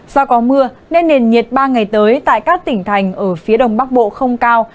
do có mưa nên nền nhiệt ba ngày tới tại các tỉnh thành ở phía đông bắc bộ không cao